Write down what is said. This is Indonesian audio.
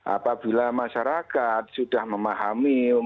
apabila masyarakat sudah memahami